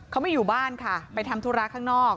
เขาไม่อยู่บ้านค่ะไปทำธุระข้างนอก